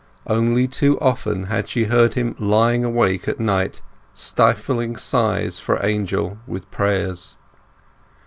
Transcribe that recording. Only too often had she heard him lying awake at night, stifling sighs for Angel with prayers.